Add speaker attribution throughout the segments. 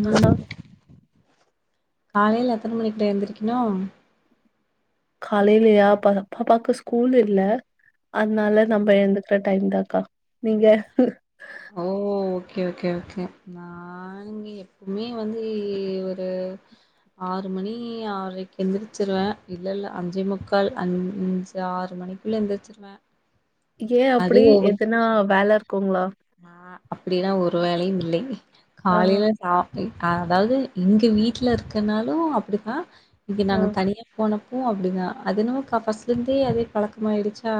Speaker 1: ம்
Speaker 2: ஆஹா
Speaker 1: காலேல எத்தன மணிக்கிடா எந்திரிக்கனு
Speaker 2: காலேலயா பா பாப்பாக்கு ஸ்கூல் இல்ல அதுனால நம்ம எழுந்துக்குற டைம் தாக்கா நீங்க
Speaker 1: ஓ ஓகே ஓகே ஓகே நா நாங்கி மீ வந்து ஒரு ஆறு மணி ஆரைக்கு எந்திரிச்சுருவே இல்ல இல்ல அஞ்சே முக்கால் அஞ்சு ஆறு மணி குள்ள எந்துருச்சுருவே
Speaker 2: ஏ அப்டி எதுனா வேல இருக்குங்ளா
Speaker 1: அ அப்டில்லா ஒரு வேலயு இல்லைங்க
Speaker 2: ஆ
Speaker 1: காலேல அ இ அ அதாவது இங்க வீட்ல இருக்கனாலு அப்டித்தா இங்க
Speaker 2: ஆ
Speaker 1: நாங்க தனியா போனப்பவு அப்டி தா அது என்னவோ க ஃபர்ஸ்ட்லருந்தே அதே பழக்கமாயிருச்சா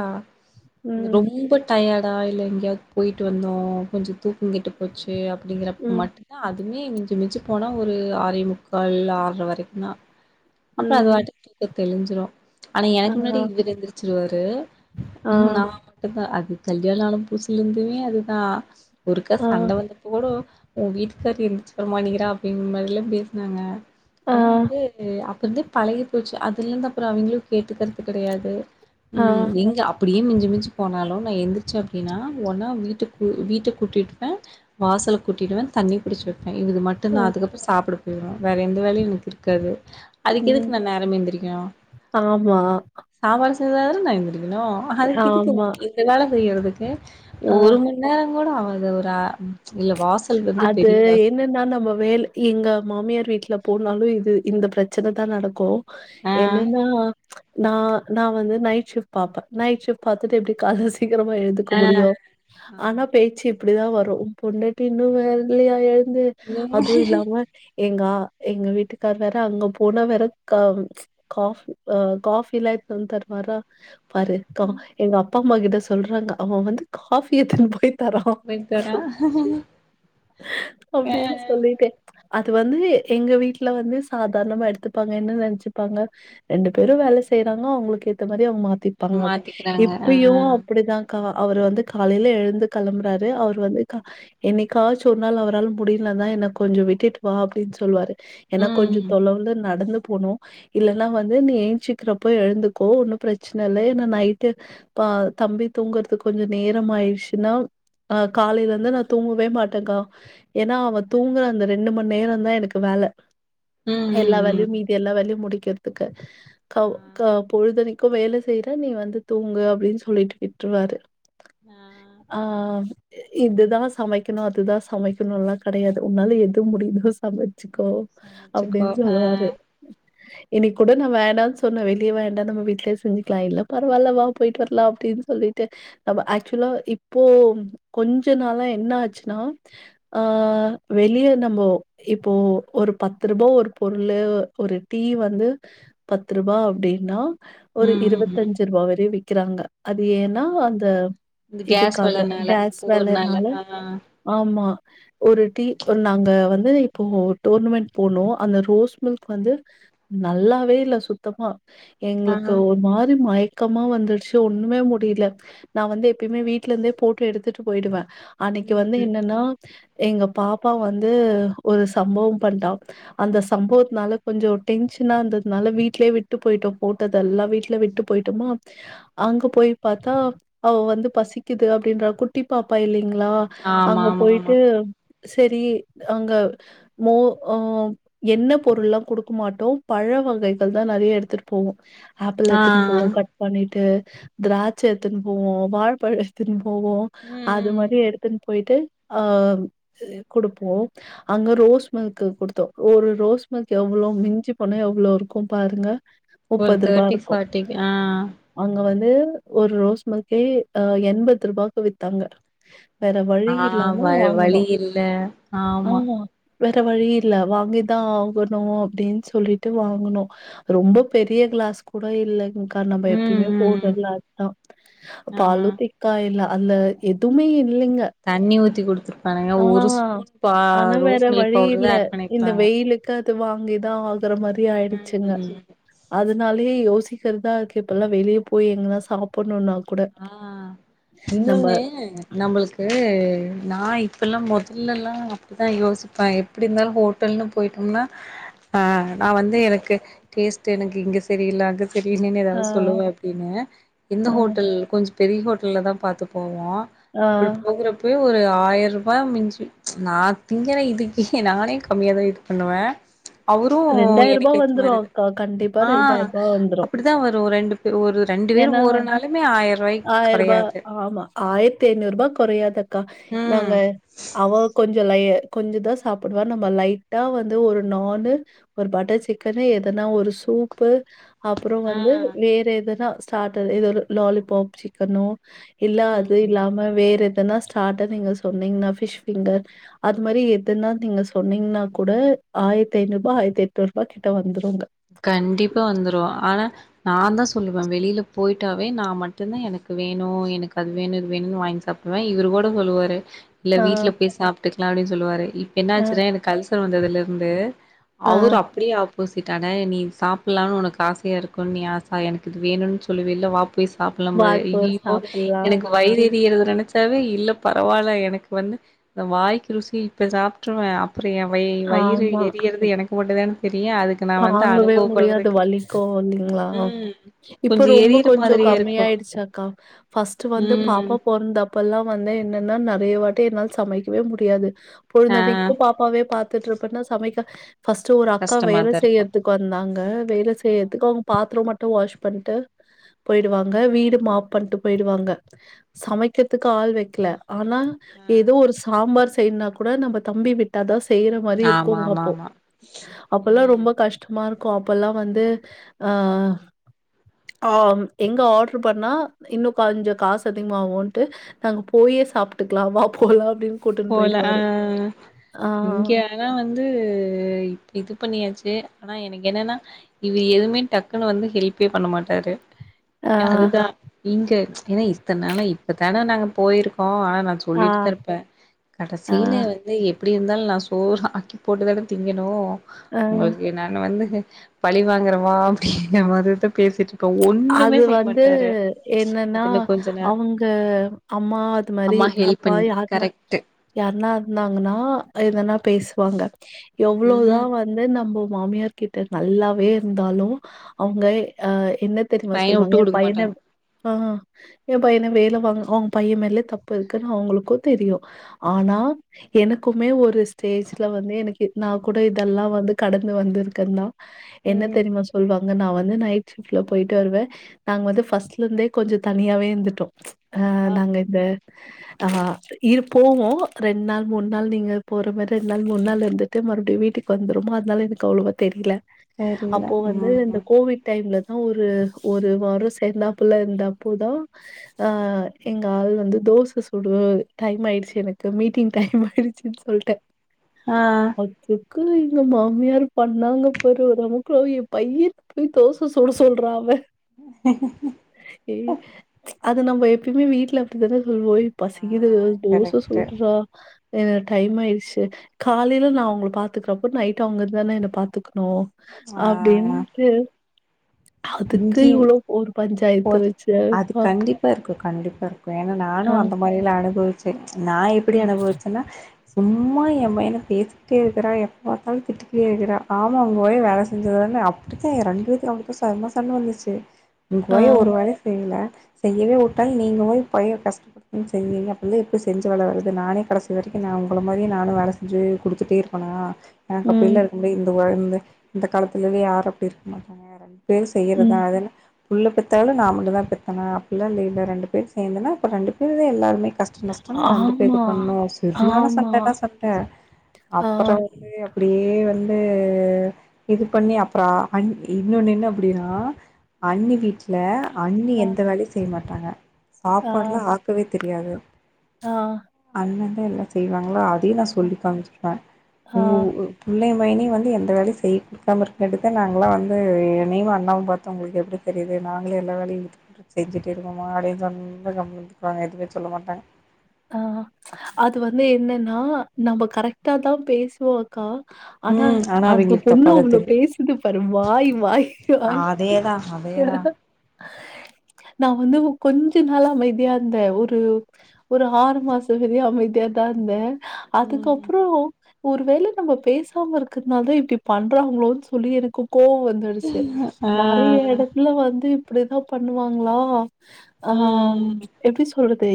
Speaker 1: இது
Speaker 2: ம்
Speaker 1: ரொம்ப டயடா இல்ல எங்கயாவது போயிட்டு வந்தோ கொஞ்சோ தூக்கங்கெட்டு போச்சு அப்டிங்கிறப்ப
Speaker 2: ம்
Speaker 1: மட் தா அதுமே மிஞ்சி மிஞ்சி போனா ஒரு ஆறே முக்கால் ஆர்ற வரைக்குந்தா அப்ப அது
Speaker 2: ம்
Speaker 1: வாட்டுக்கு தூக்கோ தெளிஞ்சுரு ஆனா
Speaker 2: ஆ
Speaker 1: எனக்கு முன்னாடி இவரு எந்துருச்சுருவாரு
Speaker 2: ஆ
Speaker 1: நா பத்துபே அது கல்யாண ஆன புதுசுலருந்துமே அது தா ஒருக்கா
Speaker 2: ஆ
Speaker 1: சண்ட வந்தப்ப கூடோ ஒ வீட்டுக்காரி எந்துச்சு வர மாட்டிக்கிறா அப்டிங்கிற மாரில்லா பேஸ்னாங்க
Speaker 2: ஆ
Speaker 1: ஆனா வந்து அப்பருந்தே பழகிப் போச்சு அதுல இருந்து அப்பறோ அவய்ங்களு கேட்டுக்கர்து கெடையாது
Speaker 2: ஆ
Speaker 1: ம் எங்க அப்டியே மிஞ்சி மிஞ்சி போனாலு நா எந்துருச்சே அப்டின்னா ஒன்னா வீ ட்ட கூ வீட்ட கூட்டிடுவே வாசல் கூட்டிடுவே தண்ணி புடுச்சு வப்பே இதுகு மட் ட்டுந்தா
Speaker 2: ம்
Speaker 1: அதுக்கப்பறோ சாப்ட போயிருவே வேற எந்த வேலயு எனக் இருக்காது அதுக்கு
Speaker 2: ம்
Speaker 1: எதுக்கு நா நேரமே எந்திரிக்கனு
Speaker 2: ஆமா
Speaker 1: சாப்பாடு செய்ய தான நா எந்திரிக்கனு அதுக்கு எதுக்கு
Speaker 2: ஆமா
Speaker 1: இந்த வேல செய்யறதுக்கு
Speaker 2: ஆ
Speaker 1: ஒரு மணி நேரங் கூட ஆவாது ஒரு அ இல்ல வாசல்ல
Speaker 2: அது என்னனா நம்ம வேல எங்க மாமியார் வீட்ல போனாலு இது இந்தப் பிரச்சன தா நடக்கு
Speaker 1: ஆ
Speaker 2: என்னனா நா நா வந்து நைட் ஷிஃப்ட் பாப்பே நைட் ஷிப் பாத்துட்டு எப்டி காலையில சீக் சீக்கரமா எழுந்துக்க
Speaker 1: ஆ
Speaker 2: முடியு ஆனா
Speaker 1: ஆமா
Speaker 2: பேச்சு இப்புடிதா வரு ஓ பொண்டாட்டி இன்னு வரலையா எழுந்து
Speaker 1: நீங்க
Speaker 2: அதுவு இல்லாம எங்கா எங்க வீட்டுக்காரர் வேற அங்க போனா வேற கா காஃப் அ காஃபி எல்லா எடுத்து வந்து தருவாரா பாரு கா எங்க அப்பா அம்மா கிட்ட சொல்றாங்க அவ வந்து காஃபி எடுத்துன்னு போயி
Speaker 1: பொய்தாரா
Speaker 2: அப்டின் சொல்லிட்டே அது வந்து எங்க வீட்ல வந்து சாதாரணமா எடுத்துப்பாங்க என்ன நெனச்சுருப்பாங்க ரெண்டு பேரு வேல செய்றாங்க அவுங்களுக்கு ஏத்த மாதிரி அவுங்க மாத்திப்பாங்க அப்டி
Speaker 1: மாத்திக்கிறாங்க ஆ
Speaker 2: இப்பையு அப்புடிதாங் கா அவரு வந்து காலையில எழுந்து கெளம்புறாரு அவர் வந்து கா என்னைக்காச்சு ஒரு நாள் அவரால முடியலன்னா என்ன கொஞ்ச விட்டுட்டு வா அப்டின் சொல்வாரு ஏனா கொஞ்ச
Speaker 1: ம்
Speaker 2: தொடர்ந்து நடந்து போனு இல்லன்னா வந்து நீ ஏஞ்சிக்கிறப்போ எழுந்துக்கோ ஒன்னு ப்ரச்சன இல்ல ஏன்னா நைட்டு அப்ப தம்பி தூங்கற்துக்கு கொஞ்ச நேரம் ஆயிடுச்சுன்னா அ காலையில இருந்து நா தூங்கவே மாட்டேங்கா ஏன்னா அவ தூங்குற அந்த ரெண்டு மணி நேரந்தா எனக்கு வேல
Speaker 1: ம் ம்
Speaker 2: எல்லா வேலையு
Speaker 1: ம்
Speaker 2: மீதி எல்லா வேலையு முடிக்கிறதுக்கு
Speaker 1: ஆ
Speaker 2: கவ் க பொழுதனைக் க்கு வேல செய்ற நீ வந்து தூங்கு அப்டின் சொல்லீட்டு விட்ருவாரு
Speaker 1: ஆ
Speaker 2: ஆ இதுதா சமைக்கணு அதுதா சமைக்கணுல்லா கெடையாது உன்னால எது முடியுதோ சமைச்சுக்கோ
Speaker 1: சமச்சுக்கோ
Speaker 2: அப்டின்
Speaker 1: ஆ
Speaker 2: சொல்லுவாரு இன்னக் கூட நா வேணான் சொன்னே வெளிய வேண்டா நம்ம வீட்லயே செஞ்சுக்கலா இல்ல பரவாயில்ல வா பொயிட்டு வரலா அப்டின்னு சொல்லிட்டு நம்ம ஆக்சுவலா இப்போ கொஞ்ச நாளா என்ன ஆச்சுன்னா ஆ வெளிய நம்போ இப்போ ஒரு பத்து ரூபா ஒரு பொருளு ஒரு டீ வந்து பத்து ரூபா அப்டின்னா ஒரு
Speaker 1: ம் ம் ம்
Speaker 2: இருவத்தஞ்சு ரூபா வரையு விக்கிறாங்க அது ஏன்னா அந்த
Speaker 1: ஆமா இந்த கேஸ்
Speaker 2: இதுக்காக
Speaker 1: வெலனால
Speaker 2: கேஸ்
Speaker 1: போறனால
Speaker 2: வேலைனால
Speaker 1: ஆ
Speaker 2: ஆமா ஒரு டீ நாங்க வந்து இப்போ டோர்னமெண்ட் போனு அந்த ரோஸ் மில்க் வந்து நல்லாவே இல்ல சுத்தமா
Speaker 1: ஆ
Speaker 2: எங்களுக்கு ஒரு மாரி மயக் கமா வந்துருச்சு ஒண்ணுமே முடியில நா வந்து எப்பயுமே வீட்ல இருந்தே போட்டு எடுத்துட்டு போய்டுவே அன்னைக்கு
Speaker 1: ம்
Speaker 2: வந்து
Speaker 1: ம்
Speaker 2: என்னன்னா எங்க பாப்பா வந்து ஒரு சம்பவோ பண்ட்டா அந்த சம்பவத்துனால கொஞ்ச டென்ஷனா இருந்ததுனால வீட்லேயே விட்டு பொயிட்டோ போ ட்ட தெல்லா வீட்லயே விட்டுட்டு பொயிட்டமா அங்க போய் பாத்தா அவ வந்து பசிக்குது அப்டின்றா குட்டி பாப்பா இல்லைங்ளா
Speaker 1: ஆமா
Speaker 2: அங்க
Speaker 1: ஆமா ஆமா
Speaker 2: பொயிட்டு செரி அங்க மோ ஆ எண்ண பொருள்லா குடுக்க மாட்டோ பழ வகைகள் தா நெறைய எடுத்துட்டு போவோ ஆப்பிள்
Speaker 1: ஆ
Speaker 2: எடுத்துன்னு போவோ கட் பண்ணிட்டு திராட்ச எடுத்துன்னு போவோ வாழ்பழ எடுத்துன்னு போவோ
Speaker 1: ம்
Speaker 2: அது
Speaker 1: ம்
Speaker 2: மாரி எடுத்துன்னு போயிட்டு அ குடுப்போ அங்க ரோஸ் மில்க குடுத்தோ ஒரு ரோஸ் மில்க் எவ்ளோ மிஞ்சி போனா எவ்ளோ இருக்கு பாருங்க
Speaker 1: ஒரு
Speaker 2: முப்பது ரூபா
Speaker 1: தேர்ட்டி
Speaker 2: இருக்கு
Speaker 1: ஃபார்ட்டிக்கு ஆ
Speaker 2: அங்க வந்து ஒரு ரோஸ்மில்க்கே அ எண்பது ரூபாக்கு வித்தாங்க வேற
Speaker 1: ஆ
Speaker 2: வழி
Speaker 1: வ
Speaker 2: இல்லாம வாங்குனோ
Speaker 1: வழி இல்ல
Speaker 2: ஆ
Speaker 1: ஆமா
Speaker 2: வேற வழி இல்ல வாங்கிதா ஆகணு அப்டின் சொல்லிட்டு வாங்குனோ ரொம்ப பெரிய க்ளாஸ் கூட இல்லேங் அக்கா நம்ப
Speaker 1: ம்
Speaker 2: எப்பயுமே
Speaker 1: ம் ம்
Speaker 2: போடுறதுல அதுதா
Speaker 1: ஆ
Speaker 2: பாலு திக்கா இல்ல அல்ல எதுமே இல்லைங்க
Speaker 1: தண்ணி ஊத்தி குடுத்துருப்பானுங்க
Speaker 2: ஆ
Speaker 1: ஒரு ஸ்பூன் பா
Speaker 2: ஆனா வேற
Speaker 1: ரோஸ் மில்க்
Speaker 2: வழி
Speaker 1: பவுடர்
Speaker 2: இல்ல
Speaker 1: தா ஆட்
Speaker 2: இந்த
Speaker 1: பண்ணிருப்பாங்க
Speaker 2: வெயிலுக் கு அது வாங்கிதா ஆகுற மாரி
Speaker 1: ம்
Speaker 2: ஆயிடுச்சுங்க
Speaker 1: ம்
Speaker 2: அதனாலே யோசிக்கறதா இருக்கு இப்பல்லா வெளிய போய் எங்கானா சாப் புன்னுனா கூட நம்ப
Speaker 1: அ நம்பளுக்கு நாய் இப்பல்லா மொதல்லல்லா அப்படிதா யோசிப்ப எப்படி இருந்தாலு ஹோட்டல்ன்னு போயிட்டோம்னா ஆ நா வந்து எனக்கு டேஸ்ட்டு எனக்கு இங்க சரியில்ல அங்க அங்க சரியில்லனு
Speaker 2: ஆ
Speaker 1: ஏதாவது சொல்லுவோ அப்டின்னு எந்த
Speaker 2: ஆ
Speaker 1: ஹோ ட்டல் கொஞ்சோ பெரிய ஹோட்டல்ல தா பாத்து போவோ
Speaker 2: ஆ
Speaker 1: அப்படி போகற போவே ஒரு ஆயிரரூபாய மிஞ்சு நா திங்கற இதுக்கு நானே கம்மியாதா இது பண்ணுவே அவுரு
Speaker 2: ரூ.
Speaker 1: எனக்கு ஏத்த
Speaker 2: வந்துரும்
Speaker 1: மாரிது
Speaker 2: அக்கா. கண்டிப்பா
Speaker 1: ஆ
Speaker 2: ரூ. வந்துரும்.
Speaker 1: அப்படி தா வரு‌ ரெண்டு பே ஒரு ரெண்டு பேர்‌ போறநால
Speaker 2: ஆயிரபா ஆமா ஆயிரத்தைநூர்பா கொறையாது அக்கா
Speaker 1: ம்
Speaker 2: நாங்க அவ கொஞ்சோ லைய கொஞ்சோதா சாப்புடுவா நம்ம லைட்டா வந்து ஒரு நானு ஒரு பட்டர் சிக்கனு எதனா ஒரு சூப்பு அப்புறோ
Speaker 1: ஆ
Speaker 2: வந்து வேற எத ஸ்டாட்டரு இது ஒரு லாலிபாப் சிக்கனோ இல்ல அது
Speaker 1: ம்
Speaker 2: இல்லாம வேற எ எதனா ஸ்டாட்டர் நீங்க சொன்னீங்கன்னா ஃபிஷ் ஃபிங்கர் அது மாரி எதுனா நீங்க சொன்னீங்கன்னா கூட ஆயிரத்தி ஐநூறுபா ஆயிரத்தெட்நூறுபா கிட்ட வந்துருங்க
Speaker 1: கண்டிப்பா வந்துரு ஆனா நா தா சொல்லுவ வெளியில போயிட்டாவே நா மட்டுதா எனக்கு வேணு எனக்கு அது வேணு இது வேணுன்னு வாங்கி சாப் டுவ இவுரு கூட சொல்லுவாரு இல்ல
Speaker 2: ஆ,
Speaker 1: வீட்ல போய் சாப்ட்டுக்லா அப்டின்னு சொல்லுவாரு இப்ப என்னா
Speaker 2: ஆ,
Speaker 1: ஆச்சுனா எனக்கு அல்சர் வந்ததுல இருந்து
Speaker 2: ஆ
Speaker 1: அவுரு அப்படியா ஆப் போசிட் அன நீ சாப்பட்லானு ஒனக்கு ஆசையா இருக்குன்னு நீ ஆசா எனக்கு இது வேணும்ன் சொல்லுவேல வா போய் சாப்பட்லாம்பாரு
Speaker 2: வாய்ப்பு
Speaker 1: அய்யயோ
Speaker 2: சாப்பிடலாம்.
Speaker 1: எனக்கு வயிறு எறியறது நெனைச்சாவே இல்ல பரவாயில்ல எனக்கு வந்து வாய்க்கு ருசி இப்ப சாப்ட்ருவ அப்றோ எ வை வயிறு
Speaker 2: ஆமா.
Speaker 1: எரியறது எனக்கு மட்டுதான தெரியு அதுக்கு நா வந்து
Speaker 2: தாங்கவே முடியாது
Speaker 1: அனுபவப்படுறதுக்கு
Speaker 2: வலிக்கு இல்லைங்ளா
Speaker 1: ம்
Speaker 2: இப்ப
Speaker 1: கொஞ்ச
Speaker 2: ரொம்ப
Speaker 1: எரியற
Speaker 2: கொஞ்சோ
Speaker 1: மாதிரியே இருக்கு
Speaker 2: கம்மி‌ஆயிடுச்சு அக்கா ஃபர்ஸ்ட்டு வந்து பாப்பா
Speaker 1: ம்
Speaker 2: பொந்தப் பல்லா வந்து என்னன்னா நறைய வாட்டி என்னால சமைக்கவே முடியாது
Speaker 1: ஆ
Speaker 2: பொழுந்தன்னைக்கு பாப் பாவே பாத்துட்டு இருப்பனா சமைக்க ஃபஸ்ட்டு ஒரு அக்கா வேல
Speaker 1: கஷ்டமாதா
Speaker 2: செ
Speaker 1: இருக்கு
Speaker 2: க்கு வந்தாங்க வேல செய்யறதுக்கு அவுங்க பாத்ரோ மட்டு வாஷ் பண்ட்டு போயிடுவாங்க வீடு மாப் பண்ட்டு போயிடுவாங்க சமைக்கறதுக்கு ஆள் வைக்கல ஆனா ஏதோ ஒரு சாம்பார் செய்னா கூட நம்ப தம்பி விட் டாதா செய்யற மாரி
Speaker 1: ஆமா
Speaker 2: இருக்குங்
Speaker 1: ஆமா
Speaker 2: அப்போ
Speaker 1: ஆமா
Speaker 2: அப்பல்லா
Speaker 1: ம்
Speaker 2: ரொம்ப கஷ்டமா இருக்கு‌ அப்போல்லா வந்து ஆ ஆ எங்க ஆர்டரு பண்ணா இன்னு கொஞ்சோ காசு அதிகமாவுன்ட்டு நாங்க போயே சாப்ட்டுக்லா வா போலா அப்டினு
Speaker 1: போல அ அ அ இங்கே அதல்லா வந்து இப் இது பண்ணியாச்சு ஆனா எனக்கு என்னன்னா இவர் எதுவுமே டக்குன்னு வந்து ஹெல்ப்பே பண்ண மாட்டாரு
Speaker 2: ஆ
Speaker 1: அதுதா இங்க ஏனா இத்தனால இப்பதான போயிருக்கோ ஆனா நா
Speaker 2: ஆ
Speaker 1: சொல்லிட்டுதா இருப்ப
Speaker 2: ஆ
Speaker 1: கடைசியில வந்து எப்டி இருந்தாலு நா சோறு ஆக்கி போட்டு தானே திங்கணு
Speaker 2: ஆ
Speaker 1: உங்களுக்கு நானு வந்து பழி வாங்கறேமா அப்டிங்க மாதிரிதா பேசிட்டு இருப்போ ஒண்ணுமே
Speaker 2: அது
Speaker 1: செய்ய
Speaker 2: வந்து
Speaker 1: மாட்டாரு
Speaker 2: என்னன்னா
Speaker 1: அது இன்னு கொஞ்ச நேர
Speaker 2: அவுங்க அம்மா அது மாரி
Speaker 1: அம்மா ஹெல்ப்
Speaker 2: அப்பா
Speaker 1: பண்ணி
Speaker 2: யாருக்குனா
Speaker 1: கரெக்ட்
Speaker 2: யார்னா இருந்தாங்கன்னா எதன்னா பேசுவாங்க எவ்ளவுதா
Speaker 1: ம்
Speaker 2: வந் ந்து நம்ம மாமியார் கிட்ட நல்லாவே இருந்தாலு அவுங்க ஆ என்ன தெரியுமா
Speaker 1: பைய
Speaker 2: சொல்லுவாங்க
Speaker 1: வுட்டு
Speaker 2: ஏ
Speaker 1: குடுக்க
Speaker 2: பைய்யன
Speaker 1: மாட்டாங்க
Speaker 2: ஆ எ பையன வேல வாங் அவுங்க பைய மேலே தப்பு இருக்குன்னு அவுங்களுக்கு தெரியு ஆனா எனக்குமே ஒரு ஸ்டேஜ்ல வந்து எனக்கு நா கூட இதெல்லா வந்து கடந்து வந்திருக்கே தா என்ன
Speaker 1: ம்
Speaker 2: தெரியுமா சொல்லுவாங்க நா வந்து நைட் ப்ட்ல போயிட்டு வருவே நாங்க வந்து ஃபர்ஸ்ட்ல இருந்தே கொஞ்சோ தனியாவே இருந்துட்டோ அ
Speaker 1: ஆ
Speaker 2: நாங்க இந்த ஆ இரு போவோ ரெண்டு நாள் மூணு நாள் நீங்க போற மாரி ரெண்டு நாள் மூணு நாள் இருந் துட்டு மறுபடியு வீட்டுக்கு வந்துருவோம அதனால எனக்கு அவ்ளோவ தெரில
Speaker 1: தெரில
Speaker 2: அப்போ வந்து இந்த
Speaker 1: ம்
Speaker 2: கோவிட் டைம்ல தா ஒரு ஒரு வாரோ சேந்தாப்புள்ள இருந்தப்போதா ஆ எங்க ஆள் வந்து தோச சுடு டைம் ஆயிடுச்சு எனக்கு மீட்டிங் டைம் ஆயிடுச்சு சொல்ட்ட
Speaker 1: ஆ
Speaker 2: அதுக்கு எங்க மாமியார் பண்ணாங்க பாரு ஒரு ஆமக்களோ எ பைய போய் தோச சுட சொல்றா அவ ஏய் அது நம்ம எப்பயுமே வீட்ல அப்டித்தானே சொல்வோ
Speaker 1: ஆ
Speaker 2: பசிக்கிது ஏதாது தோச
Speaker 1: கரெக்ட்டு
Speaker 2: சுடுறா என டைம் ஆயிடுச்சு காலையில நா அவுங்கள பாத்துக்கிறப்போ நைட் அவுங்க இருந்தானே என்ன பாத்துக்கணு அப்டின்ட்டு அதுக்கு
Speaker 1: இங்கயு
Speaker 2: இவ்ளோ ஒரு பஞ்சாயத்து
Speaker 1: ஒரு
Speaker 2: வச்சு
Speaker 1: அது
Speaker 2: அ
Speaker 1: கண்டிப்பா இருக்கு கண்டிப்பா இருக்கு ஏனா நானு
Speaker 2: ஆ,
Speaker 1: அந்த மாரில அனுபவிச்சே நா எப்டி
Speaker 2: ம்.
Speaker 1: அனுபவிச்சேன்னா சும்மா எ பையன பேசி ட்டே இருக்கிறா எப்ப பாத்தாலு திட்டிகிட்டே இருக்கிறா ஆமா உங்க ஒய் வேல செஞ்சது அப்டித்தான் எ ரெண்டு பேத்தயு அப்டிதா செமா சண்ட வந்துச்சு ஒங்க
Speaker 2: ஆ,
Speaker 1: ஒய ஒரு வேள செய்யல செய்யவே வுட்டா நீங்க போய் பய கஷ் அ செஞ்சிங்க அப்போ வந்து எப்டி செஞ்ச வலை வருது நானே கடைசி வரைக்கு நா உங்கள மாரி நானு வேல செஞ்சு கொடுத்துட்டே இரு ப்பனா எனக்கு
Speaker 2: ம்,
Speaker 1: அப்டில்ல இருக்கும்முடியாது இந்த இந்த காலத்துலயே யாரு அப்டி இருக்க மாட்டாங்க பேர் செய்யறதுதா
Speaker 2: ம்.
Speaker 1: அது புள்ள பெத்தாலு நா மாட்டு தா பெத்தனா அப்ல்லா இல்ல இல ரெண்டு பேர் சேந்தனா அப்ப ரெண்டு பேரு எல்லாருமே கஷ் டோ நஷ்டோனா ரெண்டு பேரு
Speaker 2: ஆமா,
Speaker 1: பண்ணு செரியான
Speaker 2: ஆமா.
Speaker 1: சண்டனா சண்ட
Speaker 2: ஆ,
Speaker 1: அப்றோ வந்து அப்டியே வந்து இது பண்ணி அப்றோ அஞ் இன்னொன்னு என்ன அப்டின்னா அண்ணி வீட்ல அண்ணி
Speaker 2: ஆ.
Speaker 1: எந்த வேலையு செய்ய மாட்டாங்க
Speaker 2: ஆ,
Speaker 1: சாப்பாடுல ஆகாகவே தெரியாது
Speaker 2: ஆ
Speaker 1: அண்ண தா எல்லா செய்வாங்களா அதையு நா சொல்லி காமிச்சிடுவா
Speaker 2: ஆ,
Speaker 1: உங்க உ புள்ளயு மையினியு வந்து எந்த வேலயு செய்ய உக்காந்துருக்க வேண்டிதா நாங்களா வந்து எனையு அண்ணாவு பாத்தா உங்களுக்கு எப்டி தெரியுது நாங்களே எல்லா வேலையு இழுத் செஞ்சுட்டு இருக்கோமா அப்டினு சொன்னா கம்முனு இருப்பாங்க எதுவுமே சொல்ல மாட்டாங்க
Speaker 2: ஆ அது வந்து என்னன்னா நம்ம கரெக்டா தா பேசுவோம்க்கா ஆனா
Speaker 1: ம் ஆனால்
Speaker 2: அந்த
Speaker 1: அவங்களுக்கு
Speaker 2: பொண்ணு
Speaker 1: தப்பாக தான்
Speaker 2: அவ்ளோ
Speaker 1: தெரியும்
Speaker 2: பேசுது பாரு வாய் வாய் வாய்
Speaker 1: அதேதா
Speaker 2: நா வந்து கொஞ்ச நாளு அமைதியா இருந்தேன் ஒரு ஒரு ஆறு மாசம் வரியா அமைதியா தா இருந்தேன் அதுக்கப்
Speaker 1: ம்
Speaker 2: அப்றோ ஒருவேளை நம்ம பேசாம இருக்கிறதுனால தா இப்டி பண்றாங்களோன்னு சொல்லி எனக்கு கோவம் வந்து டுச்சு
Speaker 1: ஆ
Speaker 2: நெறைய இட இல்ல வந்து இப்டிதா பண்ணுவாங்களா ஆ
Speaker 1: ம்
Speaker 2: எப்டி சொல்றது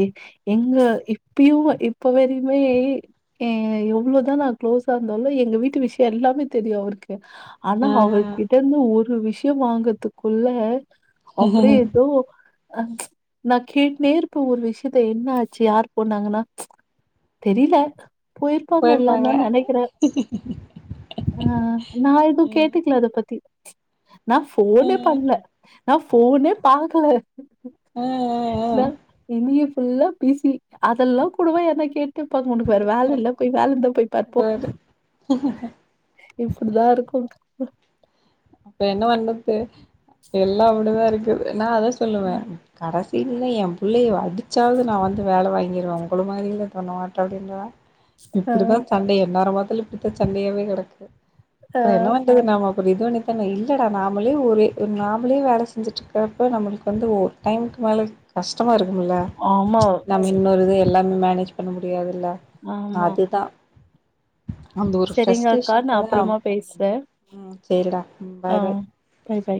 Speaker 2: எங்க இப்பயும் இப்ப வரயுமே அ எவ்ளோ தா நா குள்ளோஸ்சா இருந்தாலு எங்க வீட்டு விஷயோ எல்லாமே தெரியும் அவருக்கு ஆனா
Speaker 1: ஆ
Speaker 2: அவர் கிட்ட இருந்து ஒரு விஷயம் வாங்கறதுக்குள்ள அப்டியே ஏதோ அ நா கேட்னே இருப்பேன் ஒரு விஷயத்த என் என்ன ஆச்சு யார் போனாங்கன்னா தெரில போயிருப்பாங்க எல்லாரு நா நெனக்கிறேன் ம் நா எதும்
Speaker 1: ம்
Speaker 2: கேட்டுக்கல அத பத்தி நா போனே
Speaker 1: ம்
Speaker 2: பண்ல நா போனே பாக்கல
Speaker 1: அ
Speaker 2: நா இனிய ஃபுல்லா பிசி அதெல்லா கூடவா என்ன கே ட்டு விருப்பாங்க உனக்கு வேற வேல இல்ல போய் வேல இருந்தா போய் பாரு போ
Speaker 1: ம் ம்
Speaker 2: இப்டிதா இருக்கும்
Speaker 1: இப்ப என்ன பண்ணது எல்லா அப்டி தா இருக்கு நா அதா சொல்லுவே கட இல்ல என் புள்ளய அடிச்சாவது நா வந்து வேல வாங்கிருவே உங்கள மாரில பண்ண மாட்டேன் அப்டின்ருவே
Speaker 2: அ
Speaker 1: இப்டித்தா சண்ட எந்நேர பாத்தாலு இப்டித்தா சண்டயாவே கெடக்கு
Speaker 2: அ
Speaker 1: வேற என்ன பண்றது நாம எப்டி எதோ ஒன்னு இல்லடா நாமளே ஒரே ஒரு நாமளே வேல செஞ்சுட்ருக்கறப்ப நம்மளுக்கு வந்து ஒரு டைமுக்கு மேலே கஷ்டமா இருக்கும்ல
Speaker 2: ஆமா
Speaker 1: நம்ம இன்னொரு இது எல்லாமே மேனேஜ் பண்ண முடியாதுல்ல
Speaker 2: ஆமா
Speaker 1: அதுதா அந்த ஒரு
Speaker 2: செரிங்கக்கா நா
Speaker 1: ஃப்ரஸ்ட்ரேஷன்ல தா
Speaker 2: அப்றமா பேசுறே
Speaker 1: ம் சேரிடா ம்
Speaker 2: ஆ
Speaker 1: பாய் பாய்
Speaker 2: பை பை